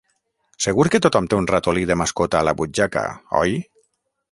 Segur que tothom té un ratolí de mascota a la butxaca, oi?